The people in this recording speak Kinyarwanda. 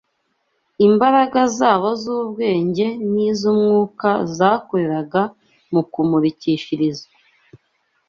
Imbaraga zabo z’ubwenge n’iz’umwuka zakuriraga mu kumurikishirizwa